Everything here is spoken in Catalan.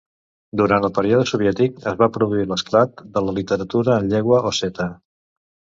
Durant el període soviètic es va produir l'esclat de la literatura en llengua osseta.